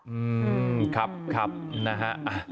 อืมครับครับนะฮะ